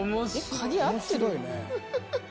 鍵合ってるよね。